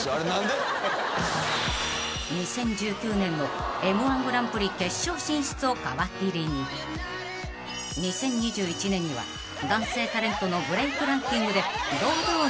［２０１９年のＭ−１グランプリ決勝進出を皮切りに２０２１年には男性タレントのブレイクランキングで堂々の１位］